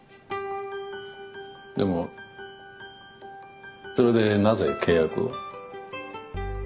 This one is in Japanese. でもそれでなぜ契約を？